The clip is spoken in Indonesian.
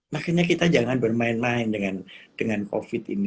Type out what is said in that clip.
makanya kita jangan bermain main dengan covid ini